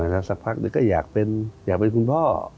สักพักก็อยากเป็นคุณพ่อ